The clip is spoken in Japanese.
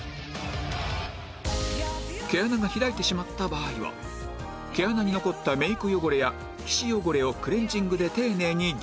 毛穴が開いてしまった場合は毛穴に残ったメイク汚れや皮脂汚れをクレンジングで丁寧に除去した